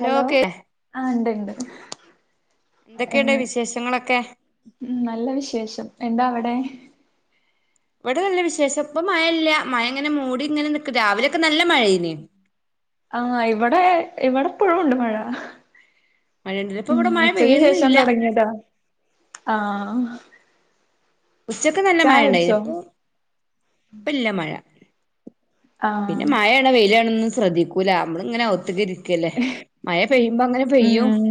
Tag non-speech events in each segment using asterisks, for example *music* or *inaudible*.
Hello ആ ഉണ്ട് ഉണ്ട് എന്തൊക്കെയുണ്ട് വിശേഷങ്ങളൊക്കെ ഉം നല്ല വിശേഷം എന്താ അവിടെ ഇവിടെ നല്ല വിശേഷം ഇപ്പ മഴയില്ല മഴ ഇങ്ങനെ മൂടി ഇങ്ങനെ നിക്ക് രാവിലെയൊക്കെ നല്ല മഴേനി ആഹ് ഇവിടെ ഇവിടെപ്പോഴും ഉണ്ട് മഴ മഴയുണ്ടല്ല ഇപ്പൊ ഉം ഇവിടെ മഴ ഉച്ചക്ക് ശേഷം പെയ്യുന്നില്ല തുടങ്ങിയതാ ആഹ് ഉച്ചക്ക് നല്ല മഴ ഇണ്ടായിനി ഇപ്പൊ ഇല്ല മഴ ആ പിന്നെ മഴാണോ വെയിലാണോന്നും ശ്രദ്ധിക്കൂല നമ്മള ഇങ്ങനെ ഔത്ക്കി ല്ലേ മഴ പെയ്യുമ്പോ അങ്ങനെ പെയ്യും ഉം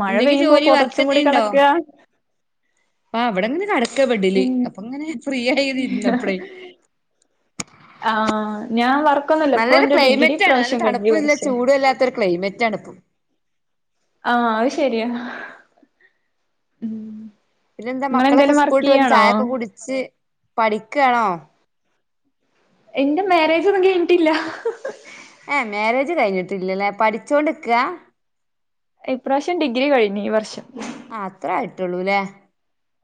മഴ എന്തെങ്കിലും പെയ്യുമ്പോ ജോലി പൊതച്ച് വർക്ക് മൂടി എന്തെങ്കിലും ഉണ്ടോ കടക്കാ ആ ഇവിടെങ്ങനെ കടക്ക ബെഡ്ല് ഉം അപ്പൊ അങ്ങനെ ഫ്രീ ആയി ഇരുന്നപ്പളേ ആഹ് ഞാൻ വർക്കൊന്നുംല്ല ഇപ്പൊ നല്ലൊരു എന്റെ ഡിഗ്രി ക്ലൈമറ്റ് ആണ് നല്ല പ്രാവശ്യം കഴിഞ്ഞു തണുപ്പുല്ല വർഷം ചൂടും അല്ലാത്തൊരു ക്ലൈമറ്റ് ആണ് ഇപ്പം ആഹ അത് ശരിയാ ഉം പിന്നെന്താ മക്കളൊക്കെ നിങ്ങളെന്തേലും വർക്ക് സ്കൂളിട്ട് വന്ന് ചെയ്യാണോ ചായൊക്കെ കുടിച്ച് പഠിക്കആണോ എന്റെ മാരേജ് ഒന്നും കഴിഞ്ഞിട്ടില്ല ഏ മാരേജ് കഴിഞ്ഞിട്ടില്ലല്ലേ പഠിച്ചോണ്ട്ക്കാ ഇപ്രാവശ്യം ഡിഗ്രി കഴിഞ്ഞു ഈ വർഷം ആ അത്രായിട്ടൊള്ളൂല്ലേ.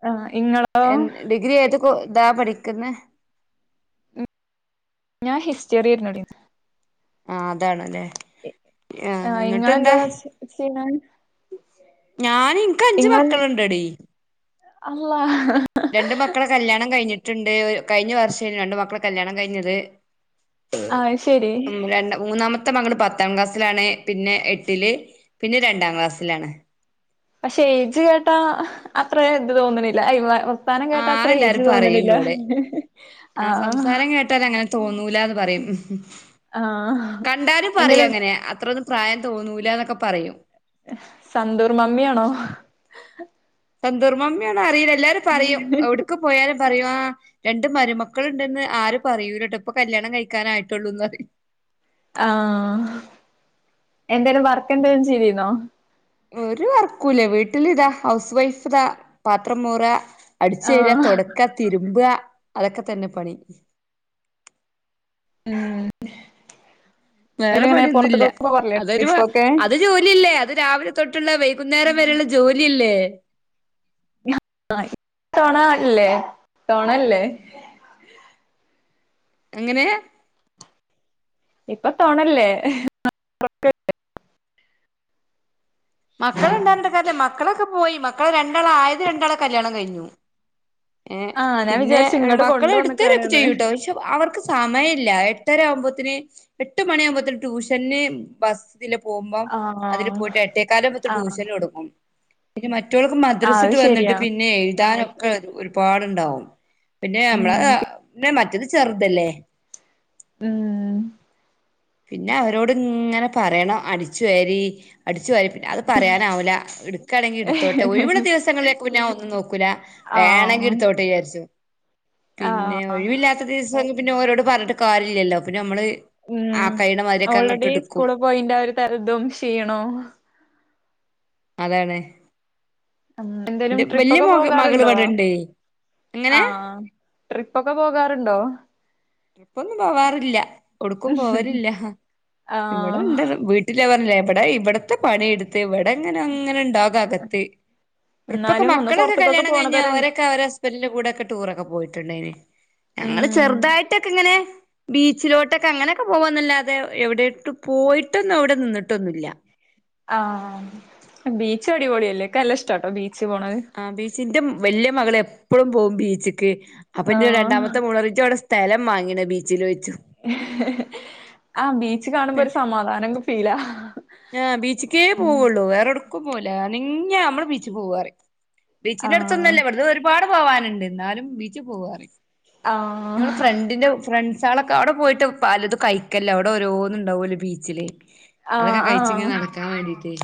ആഹ് ഇങ്ങളെ. എ ഡിഗ്രി ഏത് ഇതാ പഠിക്കുന്ന ഞാൻ ഹിസ്റ്ററിയായിരുന്നു ആ അതാണ്ല്ലേ ആഹ ഇങ്ങളെന്താ ചെയ്യുന്നത് ഞാൻ ഇൻക്ക് അഞ്ചു മക്കളുണ്ടെടീ അള്ളാ രണ് മക്കളെ കല്യാണം കഴിഞ്ഞിട്ടുണ്ട് കഴിഞ്ഞ വർഷാരുന്നു രണ്ടു മക്കള കല്യാണം കഴിഞ്ഞത് അത് ശരി ഉം രണ്ട മൂന്നാമത് ത്തെ മകള് പത്താം ക്ലാസ്സിലാണ്, പിന്നെ എട്ടില്, പിന്നെ രണ്ടാക്ലാസ്സിലാണ്. പഷേ എയ്ജ് കേട്ടാ അത്ര ത് തോന്ന്ണില്ല ഐ വ. ത്താനം ആഹ് കേട്ടാത്രെ ഏജ് എല്ലാരും പറയും തോന്നണില്ല ഇന്നോട് ആഹ്. സംസാരം കേട്ടാൽ അങ്ങനെ തോന്നൂലാന്ന് പറയും ആഹ് കണ്ടാലും എന്തേലും പറയൊങ്ങനെ അത്രൊന്നും പ്രായം തോന്നൂല ന്നൊക്കെ പറയും. സന്തൂർ മമ്മ്യാണോ? സന്തൂർമമ്മ്യാണറീല എല്ലാരും പറയും എവ്ടുക്ക് പോയാലും. പറയു ആ രണ്ട് മരുമക്കള്ണ്ട്ന്ന് ആരും പറയൂലട്ടോ ഇപ്പൊ കല്യാണം കഴിക്കാനായിട്ടുള്ളൂന്നറിം. ആഹ് എന്തേലും വർക്കെന്തേലും ചെയ്തീന്നോ. ഒരു വർക്കൂല്ല്യ വീട്ടിലിതാ ഹൗസ് വൈഫ്താ പാത്രംമോറാ. അടിചേരാ, ആഹ് തൊടക്ക, തിര്മ്പ, അതൊക്കെ തന്നെ പണി. ഉ വേറെ എല്ല നെ പണിയൊന്നുല്ല പൊറത്ക്കൊക്കെ പോവാറില്ലേ ട്രിപ്പൊക്കെ. ഇല്ല ല്ലെ അത് രാവിലെ തൊട്ട്ള്ളെ വൈകുന്നേരം വരെള്ള ജോല്യല്ലേ. ആ തോണാല്ലേ തോണല്ലേ. എങ്ങനെ. ഇപ്പൊ തൊണല്ലേ? മക്കള്ണ്ട് അറഞ്ഞിട്ട് കാര്യല്ല, മക്കളൊക്കെ പോയി. മക്കളെ രണ്ടാള, ആയത് രണ്ടാളെ കല്യാണം കഴിഞ്ഞു. ഏഹ്! ആഹ് ഞാൻ പിന്നെ, വിചാരിച്ചു ഇങ്ങട് മക്കള് ഇട്ത്തെരൊക്കെ കൊണ്ടുവന്നക്കാണ്ന്ന് ചെയ്യൂട്ടോ. പക്ഷെ, അവർക്ക് സമയല്ല. എട്ടരാ വുമ്പോത്തിന്, എട്ട് മണ്യാവുമ്പോത്തിന് ട്യൂഷന് ബസ് ഇതില് പോവുമ്പം, അതില് ആഹ് പോയിട്ട് എട്ടേക്കാല *unintelligible* ആഹ് ട്യൂഷനിടും. പിന്നെ, മറ്റോൽക്ക് ആഹ് അത് മദ്രസ്ട്ട് വന്നിട്ട് ശരിയാ പിന്നെ, എഴുതാനൊക്കെ ഒരുപാട് ണ്ടാവും. പിന്നെ അമ്മളെ, ഉം അ., മറ്റത് ചെറ്തല്ലേ!. ഉം പിന്നെ അവരോട്ങ്ങനെ പറയണം, അടിച്വാരി. അടിച്ചുവാരി, പിന്നെ അത് പറയാനാവൂല. ഇട്ക്കാണെങ്കി ഇട് ത്തോട്ടെ, ഒഴിവുള്ള ദിവസങ്ങളിലേക്ക് പിന്നെ ഒന്നും നോക്കൂല. വേണങ്കി ആഹ് ഇട്ത്തോട്ടെ വിജാരിച്ചും, പിന്നെ ആഹ് ഒഴിവില്ലാത്ത ദിവസം പിന്നെ ഓരോട് പറഞ്ഞിട്ട് കാര്യല്ലല്ലോ! പിന്നെ അമ്മള് ഉം. ഓൾറെഡി സ്കൂള് പോയിന്റെ ആ ഒര് തൽ, ഇതും ക്ഷീണോം. അതാണ്. എന്തേലും എന്റെ വല്യ ട്രിപ്പൊക്കെ മക മകള് പോകാറുണ്ടോ? ഇവിടെണ്ടേ എങ്ങനെ ആഹ്, ആഹ്. ട്രിപ്പൊക്കെ പോകാറ്ണ്ടോ? ട്രിപ്പൊന്നും പോവാറില്ല. ഒടുക്കും പോവലില്ല. ഇവിടെ ആഹ് ഇണ്ട്, വീ ഇല്ല പറഞ്ഞില്ലേ. ! ഇവടെ ഇവടത്തെ പണി എട്ത്ത് ഇവടെങ്ങനെ ങ്ങനെ ണ്ടാകുകത്ത്. ഇപ്പൊക്കെ, എന്നാലും ഒന്ന് മക്കളൊക്കെ പൊറത്ത്ക്കൊക്കെ കല്യാണം കഴിഞ്ഞൽ പോണതൊരു ഓരൊക്കെ അവരെ *unintelligible* കൂടെ ഒക്കെ ടൂറൊക്കെ പോയിട്ട്ണ്ടെയ്നിം. ഞങ്ങള് ഉം ചെറുതായിട്ടൊക്കെങ്ങനെ ബീച്ചിലോട്ടൊക്കെ, അങ്ങനൊക്കെ പോവാന്നല്ലാതെ, എവിടെട്ടും പോയിട്ടൊന്നും എവിടേം നിന്നിട്ടൊന്നുല്ല. ആഹ്. ബീച്ചടിപൊളിയല്ലേ? ക്ക്ല്ലഷ്ടാട്ടോ ബീച്ച് പോണത്. ആഹ്. ബീച്ച്, ന്റെ വല്യേ മകള് എപ്പഴും പോവും ബീച്ചിക്ക്, അപ്പൊന്റെ ആഹ്. രണ്ടാമത്തെ മോളറിം ഇജവടെ സ്ഥലം മങ്ങീണോ? ബീച്ചിലോയ്ച്ചും. ആഹ്, ബീച്ച് കാണുമ്പോരു സമാധാനം ക്കെ ഫീലാ. ആഹ്. ബീച്ച്ക്കേ പോവുള്ളൂ. വേറോട്ക്കും പോവൂല. അനങ്യ അമ്മള് ബീച് പോവാറിം. ബീച്ചിന്റെ ആഹ് അടുത്തൊന്നുംല്ല. ഇവ്ട്ന്ന് ഒരുപാട് പോവാനുണ്ട്. ന്നാലും, ബീച്ച് പോവാറിം. ആഹ് ഓലെ ഫ്രണ്ടിന്റെ, ഫ്രണ്ട് ണ്ടാളൊക്കെ അവിടെ പോയിട്ട് പലതും കഴിക്കല്ല്. അവിടെ ഒരോന്ന് ണ്ടാവൊല്ലോ ബീച്ചില്. അതൊക്കെ ആഹ് കഴിച്ച് ആഹ്. ങ്ങനെ നടക്കാൻ വേണ്ടീട്ടേയ്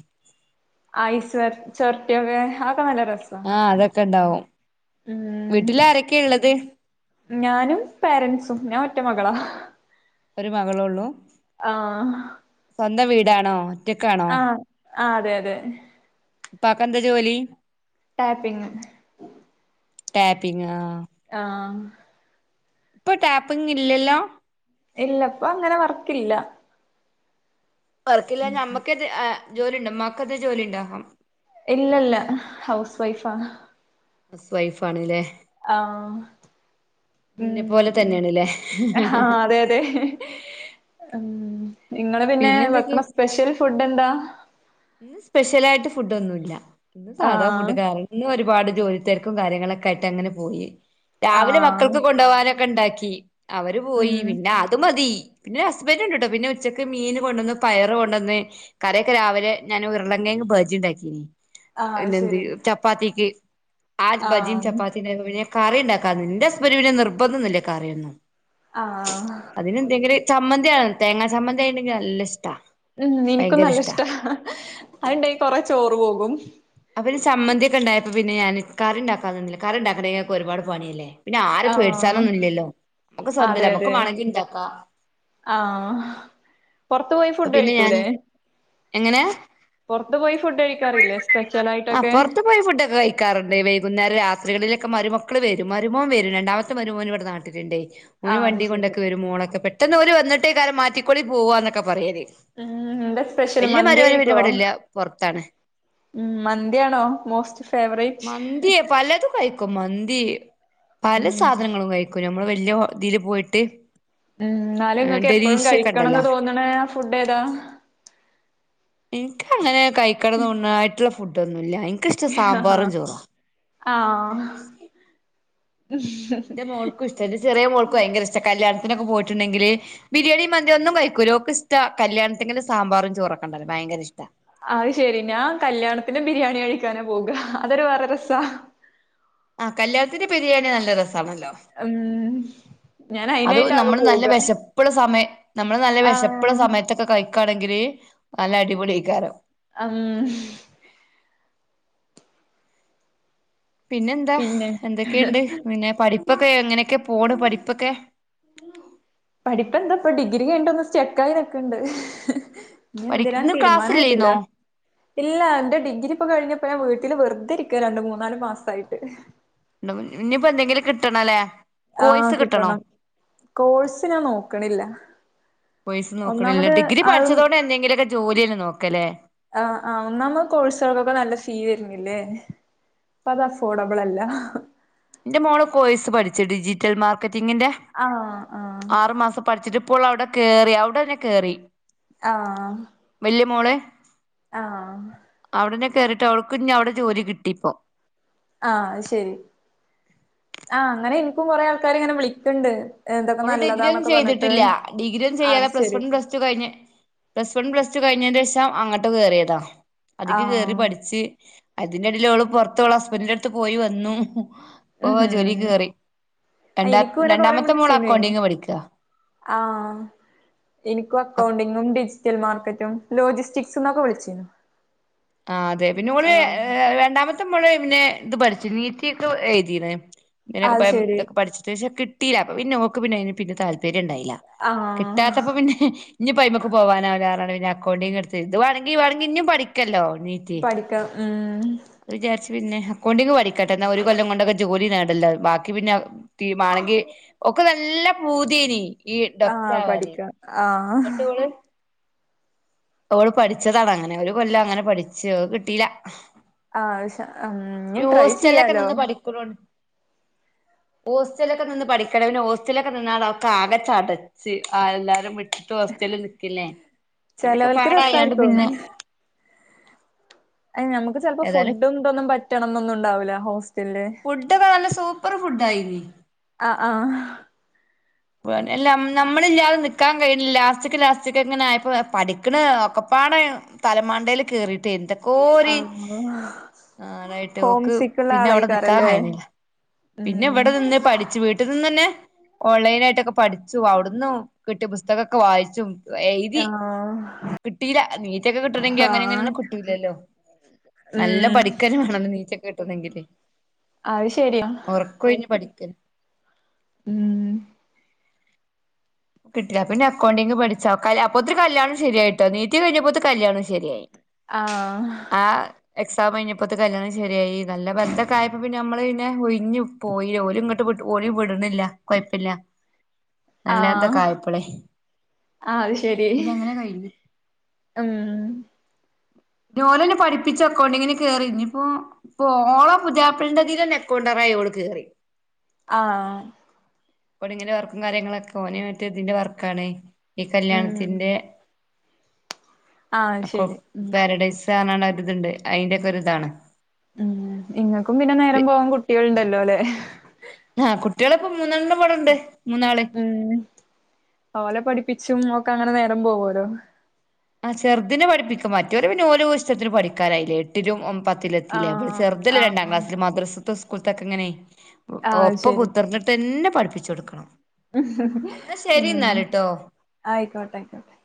ഐസ് ഒർ, ചൊർട്ടിയൊക്കെ, അതക്കെ നല്ല രസാ ആഹ് അതൊക്കെണ്ടാവും. ഉം വീട്ടിലാരൊക്കെള്ളത്? ഞാനും പാരന്റ്സും. ഞാൻ ഒറ്റ മകളാ. ഒരു മകളൊള്ളൂ? ആഹ് സ്വന്തം വീടാണോ? ഒറ്റക്കാണോ ആഹ്, ആഹ്. അതെ, അതെ. ഇപ്പാക്കെന്താ ജോലി? ടാപ്പിങ്. ടാപ്പിങ്, ആഹ്. ആഹ് ഇപ്പൊ ടാപ്പിങ് ഇല്ലല്ലോ? ഇല്ല. പ്പൊ അങ്ങനെ വർക്കില്ല. വർക്കില്ലാ? ഉം. ഇഞമ്മക്കെറ്റെ ആ, ജോലി ണ്ടോ? ഇമ്മാക്കെത്തെ ജോലിണ്ടോ? ഇല്ലല്ല, ഹൗസ് വൈഫാണ്. ഹൗസ് വൈഫ് ആണ്ല്ലേ? ആമ് ഉം, ഇന്നെ പോലെ ഹം. തന്നെയാണ്ല്ലേ ആഹ്, അതെ, അതെ. ഉം. ഇങ്ങള് പിന്നെ വെക്ക്ണ സ്പെഷ്യൽ ഫുഡ് എന്താ? ഇന്ന് സ്പെഷ്യലായിട്ട് ഫുഡ് ഒന്നും ഇല്ല. ഇന്ന് സാധാ ആഹ് ഫുഡ് കറി ഇന്നൊരുപാട് ജോലി തെര്ക്കും കാര്യങ്ങളൊക്കെ ആയിട്ട് അങ്ങനെ പോയി. രാവിലെ ആഹ് മക്കൾക്ക് കൊണ്ടോവാനൊക്കെ ണ്ടാക്കി. അവര് പോയി. ഉം പിന്നെ, അത് മതി. പിന്നെ ഹസ്ബൻറ് ഉണ്ട്ട്ടോ പിന്നെ ഉച്ചക്ക് മീൻ കൊണ്ടന്ന് പയറ് കൊണ്ടന്ന് കറയൊക്കെ രാവിലെ ഞാൻ ഉരുളങ്കങ് ബാജി ഉണ്ടാക്കീന ആഹ് അത് പിന്നെന്ത് ശരി ചപ്പാത്തിക്ക് ആ ബജിയും ആഹ് ചപ്പാത്തി ഉണ്ട പി കറി ഉണ്ടാക്കാ എന്റെ സ്പരിമന നിർബന്ധംന്നില്ലേ കറിയൊന്നും ആഹ് അതിനെന്തെങ്കിലും ചമ്മന്തിയാണ തേങ്ങാ ചമ്മന്തി ആയിണ്ടെങ്കിൽ നല്ല ഇഷ്ടാ ഉം എനിക്കും ഭയങ്കര നല്ല ഇഷ്ടാ ഇഷ്ട അത്ണ്ടെ കൊറ ചോറ് പോകും അപ്പ പിന്നെ ചമ്മന്തി ഒക്കെ ഉണ്ടായപ്പോ പിന്ന ഞാൻ കറി ഉണ്ടാക്കാൻന്നില്ല കറി ഉണ്ടാക്കണെൾെ ഒരുപാട്ണിയല്ലേ പിന്നെ ആര ആഹ് പേടിച്ചാനൊന്നും ഇല്ലല്ലോ നമുക്ക് സ്വന്തംമ നമ്മുക്ക് മാണേങ്കിൽ ഇ ഉണ്ടാക്കാ ആ പുറത്തു പോയി അപ്പൊ പിന്നെ ഞാന് എങ്ങനെയ പുറത്ത് പോയി ഫുഡ് കഴിക്കാറില്ലേ സ്പെഷ്യൽ ആയിട്ടൊക്കെ *unintelligible* കേക്കാറുണ്ട് വൈകുന്നേരം രാത്രികളിലൊക്കെ മരുമക്കൾ വരും മരുമോൻ വരും രണ്ടാമത്തെ മരുമോൻ ഇവിടെ നാട്ടിലുണ്ടെയ് ഒരു ആഹ് അത് വണ്ടി ശരി കൊണ്ടൊക്കെ വര മോളൊക്കെ പെട്ടെന്ന് അവര് വന്നിട്ടേ കാരം മാറ്റിക്കൊളി പോവാന്നൊക്കെ പറയേ ഉം എന്താ സ്പെഷ്യല് വല്യ മന്തി മരുഓന് ആയിരിക്കോ? പിന്നേപടല്ല പൊറത്താണ് ഉം മന്തിയാണോ മോസ്റ്റ് ഫേവറേറ്റ് മന്തി പലതും കഴിക്കും മന്തി പല ഉം സാധനങ്ങളും കഴിക്കും നമ്മള് വല്യ ഇതിൽ പോയിട്ട് ഉം ന്നാലും ങ്ങൾക്ക് എപ്പോഴും ഡെലീഷ്യൊക്കെ ഉണ്ടല്ലോ കഴിക്കണംന്ന് തോന്നണ ആ ഫുഡ് ഏതാ ഇനിക്ക് അങ്ങനെ കഴിക്കടന്നൊന്ന ആയിട്ടുള്ള ഫുഡ്ൊന്നുല്ല എ ആഹഹ ആഹ് ന്റെ മോക്കും ഇഷ്ടന്റെ ചെറിയ മോൾക്ക് ഭയങ്കര ഇഷ്ട കല്യാണത്തിനൊക്ക പോയിട്ടുണ്ടെങ്കില് ബിരിയാണി മന്തി ഒന്നും കഴിക്കൂ ലോർക്ക് ഇഷ്ട കല്യാണത്തിലും സാമ്പാറും ചോറൊക്കെണ്ടല്ലോ ഭയങ്കര ഇഷ്ട അയ്ശെരി ഞാൻ കല്യാണത്തിന് ബിരിയാണി കഴിക്കാനെ പോക അതൊരു വേറെ രസാ ആഹ് കല്യാത്തിന്റെ ബിരിയാണി നല്ല രസാണല്ലോ ഉം ഞാൻ അയിനായിട്ടാകെ പോക ഇപ്പോഴ സമയം നമ്മള് നല്ല വിഷപ്പോള്ള ആഹ്. സമയത്തൊക്കെ കഴിക്കണെങ്കില് നല്ല അടിപൊളിയേക്കാരം അം പിന്നെന്താ പിന്നെ എന്തൊക്കെയണ്ട് പിന്നെ പഠിപ്പൊക്കെ എങ്ങനെയൊക്കെ പോണ് പഠിപ്പൊക്കെ പഠിപ്പ എന്താപ്പ ഡിഗ്രി കഴിണ്ടന്ന് സ്റ്റക്കായിനൊക്കെുണ്ട് പഠി ഇഞ്ഞെന്തിനൻ ഇന്ന് തീരുമാനായിട്ടില്ല ക്ലാസ്സില്ലേന്നോ ഇല്ല ഇന്റെ ഡിഗ്രി ഇപ്പോ കഴിഞ്ഞപ്പോഞാൻ വീട്ടിൽ വെറുതെ ഇരിക്കാ രണ്ട് മൂന്നാല് മാസായിട്ട് ഇനിയിപ്പന്തെങ്കിലും കിട്ടണല്ലേ ആഹ് കോഴ്സ് കിട്ടണോ കിട്ടണം കോഴ്സ് ഞാൻ നോക്കണില്ല പൈസ് നോക്കണില്ല ഒന്നാമത് ഡിഗ്രി ആരും പഠിച്ചതോടെ എന്തെങ്കിലുമൊക്കെ ജോലിയന്നെ നോക്കാല്ലേ. ആ ആ ഒന്നാമത് കോഴ്സുകൾ ഒക്കെ നല്ല ഫീ വരുന്നില്ലേ. അപ്പൊ അത് അഫോർഡബിൾ അല്ല ഇൻ്റെ മോള് കോയ്സ് പഠിച്ചു ഡിജിറ്റൽ മാർക്കറ്റിങ്ങിൻ്റെ. ആ ആ പഠിച്ചിട്ടിപ്പോൾ അവിടെ കേറി അവിടെന്നെ കേറി. ആ വെല്യ മോള് ആഹ് അവിടനെ കയറിട്ട് അവൾക്ക് ഇനി അവിടെ ജോലി കിട്ടിയിപ്പോ. ആഹ് അത് ശെരി ആ അങ്ങനെ ഇനിക്കും കൊറെ ആൾക്കാര് ഇങ്ങനെ വിളിക്കണ്ട്. ഇതൊക്കെ അവള് ഡിഗ്രിയ ഒന്നും നല്ലതാന്നൊക്കെ പറഞ്ഞിട്ട്. ചെയ്തിട്ടില്ല ഡിഗ്രിയൊന്നും അത് ചെയ്യാതെ പ്ലസ് ശരി വൺ പ്ലസ് ടു കഴിഞ്ഞ് പ്ലസ് വൺ പ്ലസ് ടു കഴിഞ്ഞേൻ്റെ ശേഷം അങ്ങോട്ട് കേറിയതാ. അതിക്ക് കേറി ആഹ് പഠിച്ച് അതിന്റെ എടേൽ ഓള് പൊറത്ത് ഓളെ ഹസ്ബൻഡിന്റെ അടുത്ത് പോയി വന്നു. ഓ ഉം ജോലി ഹും കേറി ആ, രണ്ടാ എനിക്കും ഇങ്ങനെ രണ്ടാമത്തെ മോളാ ആ ഇനിക്കു അക്കൗണ്ടിങ്ങും ഡിജിറ്റൽ മാർക്കറ്റും ലോജിസ്റ്റിക്സിന്ന് ഒക്കെ വിളിച്ചിന്നു. ആഹ് അതെ പിന്നെ ഓള് ഏഹ് രണ്ടാമത് ത്ത്മ്മള് പിന്നെ ത് പഠ്ച്ച് നീറ്റിക്കാെ എഴ്തീണ് *unintelligible* അത് ശരി ഇതൊക്കെ പഠ്ച്ച്ട്ട് പക്ഷെ കി ട്ടീലാ അപ്പ പിന്നെ ഓക്ക് പിന്നെ അയ്ന് പിന്നെ താല്പര്യണ്ടായീലാ ആഹ് കിട്ടാത്തപ്പ പിന്നെ ഇഞ്ഞ്പ്പയ്മക്ക് പോവാനാവൂലാർഞ്ഞാണ്ട് പിന്നെ അക്കൗണ്ടിങ്ങ്ട്ത്ത് ഇത് വാണെങ്കി വാണെങ്കി ഇഞ്ഞും പഠിക്കല്ലോ നീ പഠിക്കാം ആഹ് വിചാര്ച്ച് പിന്നെ അക്കൗണ്ടിങ് പഠിക്കട്ടെ എന്നാ ഒര് കൊല്ലം കൊണ്ടൊക്കെ ജോലി നേടല്ലോ ബാ ക്കി പിന്നെ തീ മാണെങ്കി ഓക്ക് നല്ല പൂത്യേനി ഈ ആഹ് ഡൊക്റ്റാവാന് പഠിക്കാം ആഹ് ഓള് പഠിച്ചതാണങ്ങനെ ഒര് കൊല്ലം അങ്ങനെ പഠിച്ച് അത് കിട്ടീലാ ആഹ് അത് സാ ഞ്ഞും ട്രൈ ചെയ്യാലോ കുറവാണ് ഹോസ്റ്റലൊക്കെ നിന്ന് പഠിക്കണെ പിന്നെ ഹോസ്റ്റലൊക്കെ നിന്നാണ് ഓക്കാകെ ചടെ ച്ച് ആഹ് എല്ലാരും വിട്ട് ഹോസ്റ്റൽല് നിക്ക്ല്ലേ അങ്ങനെക്കെ ചെലോൽക്ക് പാടായാണ്ട് രസായിരിക്കും പിന്നെ ഏഹ് ഞമ്മക്ക് ചെൽപ്പം ഏതായാലും ഫുഡ്ഡും ഇതൊന്നും പറ്റണംന്നൊന്നും ണ്ടാവൂലാ ഹോസ്റ്റൽല് ഫുഡൊക്കെ നല്ല സൂപ്പറ് ഫുഡായ്നി ആഹ് ആഹ് ഞ നമ്മളില്ലാതെ നിക്കാൻ കഴിയ്ണില്ല ലാസ്റ്റ്ക്ക് ലാസ്റ്റ്ക്ക് ങ്ങനെ ആയപ്പൊ പഠിക്ക്ണ് ഒക്കെപ്പാടെ തലമണ്ടേല് കേറീട്ടേ എന്ത ക്കോര്‌ ആഹ് ആഹ് അതായ്ട്ട് ഹോം ഓക്ക് സിക്ക്ള്ള പിന്നെ അവ്ടെ ന്ക്കാൻ ആളേക്കാരല്ലേ കയ്യ്ണ്ല്ലാ പിന്നെ ഉം ഇവടെ നിന്ന് പഠിച്ച് വീട്ട് നിന്നെന്നെ ഓൺലൈനായിട്ടൊക്കെ പഠിച്ചു അവ്ട്ന്നും കിട്ട്യ പുസ്തകാെക്കെ വായിച്ചും എയ്തി ആഹ് കിട്ടീലാ നീറ്റൊക്കെ കിട്ടണെങ്കി അങ്ങനെ ആഹ് ഇങ്ങനെയാെന്നും കിട്ടൂലല്ലോ നല്ലൊം ഉം പഠിക്കന്നെ വാണം നീറ്റാെക്കെ കിട്ടെണെങ്കില് അത് ശെരിയാ ഒറക്കൊഴിഞ്ഞ് പഠിക്ക ഊം കിട്ട്ലാ പിന്നെ അക്കൗണ്ടിങ്ങ് പഠിച്ച് അത്ക്കെ അപ്പോത്ത്ന് കല്യാണും ശെര്യായ്ട്ടോ നീറ്റ് കയ്ഞ്ഞപ്പോത്ത് കല്യാണും ശെര്യായ് ആഹ് ആഹ് എക്സാമയ്ഞ്ഞപ്പത്ത് കല്യാണും ശെര്യായി നല്ല ബന്തൊക്കെ ആയപ്പോ പിന്നെ ഞമ്മള് പിന്നെ ഒയ് ഞ്ഞ് പോയി ഓല്ങ്ങട്ട് വിട് ഓല് വിട്ണ്ല്ല കൊയപ്പില്ല അല്ലാതെ ആഹ് അത്ശെരി പിന്നെ അങ്ങനെ കഴിഞ്ഞു ഊം *inaudible* ഞ്ഞോലെന്നെ പഠിപ്പിച്ച് അക്കൗണ്ടിങ്ങിന് കേറി ഞ്ഞ്പ്പോ ഇപ്പോ ഓളെ പുത്യാപ്പൾന്റെതിലെന്നെ എക്കൗണ്ടറായി ഓള് കേറി ആഹ് ബെട്ങ്ങനെ വർക്കും കാര്യങ്ങളും ഒക്കെ ഓന് മറ്റേ തിന്റെ വർക്കാണ് ഈ ഉം കല്യാണത്തിന്റെ ആഹ് അകൊ ശരി ഉം പാരഡൈസ് *unintelligible* ണര്തണ്ട് അയ്ന്റെക്കാെര്താണ് ഉം ഇങ്ങക്കും പിന്നെ നേരം പോവാൻ കുട്ടികൾണ്ടല്ലോ ലെ ആഹ് കുട്ടികള് മൂന്നെണ്ണപടെണ്ട് മൂന്നാള് ഉം ഓലെ പഠിപ്പിച്ചും ഒക്കെ അങ്ങനെ നേരം പോവോലോ ആഹ് ചെർതിനെ പഠിപ്പിക്കും മറ്റാേല് പിന്നെ ഓലു ഇഷ്ടാത്തിന് പഠിക്കാനായ്ലേ എട്ടിലും ഒം പ ത്ത്ലെത്തീലെ അപ്പൊ ആഹ് ചെർതല്ലെ രണ്ടാം ആഹ് ക്ലാസില് മദ്റസ്ത്തും സ്കൂൾത്തൊക്കെങ്ങനെ ഒ ആഹ് ഒപ്പം ശരി കുത്തർന്ന് ട്ടെന്നെ പഠിപ്പിച്ചാെട്ക്കണം ഊം ആയിക്കോട്ടെ അയ്ക്കോട്ടെ